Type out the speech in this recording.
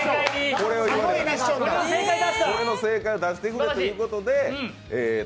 これの正解を出してくれってことで。